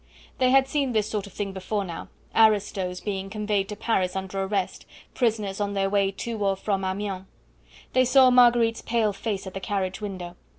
They had seen this sort of thing before now aristos being conveyed to Paris under arrest, prisoners on their way to or from Amiens. They saw Marguerite's pale face at the carriage window.